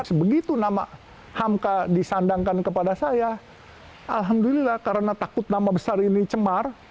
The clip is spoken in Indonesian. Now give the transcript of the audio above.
sebegitu nama hamka disandangkan kepada saya alhamdulillah karena takut nama besar ini cemar